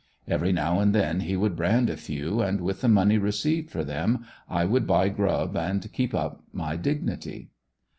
Every now and then he would brand a few, and with the money received for them I would buy grub and keep up my dignity.